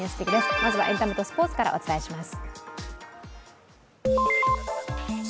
まずはエンタメとスポーツからお伝えします。